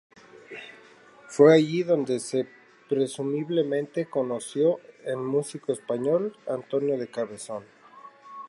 Fue allí donde presumiblemente conoció al músico español Antonio de Cabezón.